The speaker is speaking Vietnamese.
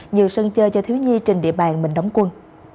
nhiều sân chơi cho thiếu nhi trên địa bàn mình đóng quân